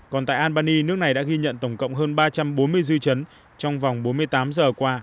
còn tại albany nước này đã ghi nhận tổng cộng hơn ba trăm bốn mươi dư chấn trong vòng bốn mươi tám giờ qua